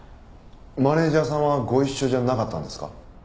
マネジャーさんはご一緒じゃなかったんですか？